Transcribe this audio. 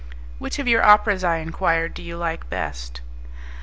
"Which of your operas," I enquired, "do you like best?"